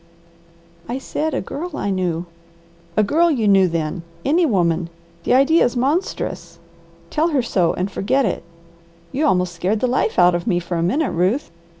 "I said a girl I knew!" "'A Girl you knew,' then! Any woman! The idea is monstrous. Tell her so and forget it. You almost scared the life out of me for a minute, Ruth.